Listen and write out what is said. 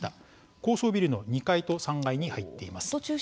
高層ビルの２階と３階に入っています。